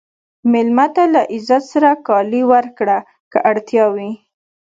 مېلمه ته له عزت سره کالي ورکړه که اړتیا وي.